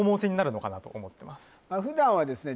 普段はですね